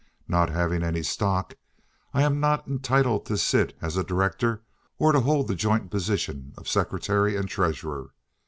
Not having any stock, I am not entitled to sit as a director, or to hold the joint position of secretary and treasurer.